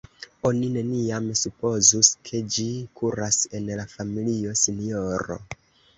Oni neniam supozus, ke ĝi kuras en la familio, sinjoro.